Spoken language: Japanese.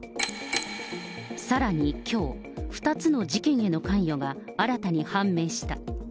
さらにきょう、２つの事件への関与が新たに判明した。